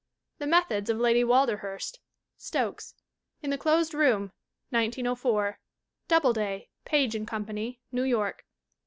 The Methods of Lady Walderhurst. Stokes. In the Closed Room, 1904. Doubleday, Page & Company, New York.